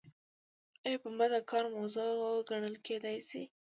ایا پنبه د کار موضوع ګڼل کیدای شي؟